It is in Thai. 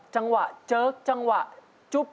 จังหวะเจิกจังหวะจุ๊บ